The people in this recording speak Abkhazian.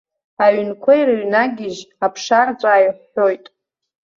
Аҩнқәа ирыҩнагьежь, аԥша арҵәаа иҳәҳәоит.